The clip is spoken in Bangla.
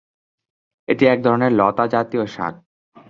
এটি এক ধরনের লতা জাতীয় শাক।